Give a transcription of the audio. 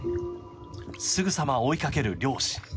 すぐさま追いかける猟師。